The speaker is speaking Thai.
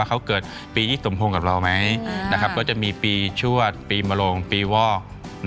เขาเกิดปีที่สมพงษ์กับเราไหมก็จะมีปีชวดปีมโลงปีวอก